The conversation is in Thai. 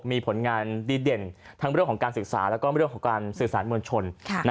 มีผลงานดีเด่นทั้งในเรื่องของการศึกษาและการศึกษาน้ำมือชน